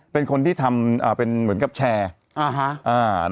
เป็นคนที่ทำเป็นเหมือนกับแชร์